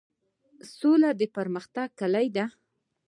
سوله د پرمختګ کیلي ده؟